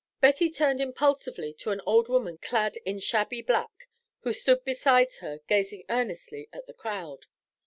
Betty turned impulsively to an old woman clad in shabby black who stood besides her gazing earnestly at the crowd.